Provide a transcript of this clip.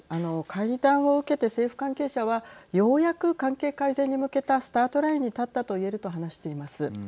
会談を受けて政府関係者はようやく関係改善に向けたスタートラインに立ったといえると話しています。